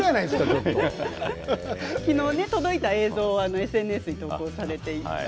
昨日、届いた映像をＳＮＳに投稿されていて。